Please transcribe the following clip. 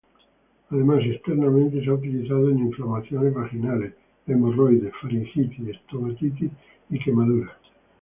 Además, externamente se ha utilizado en inflamaciones vaginales, hemorroides, faringitis, estomatitis y quemaduras.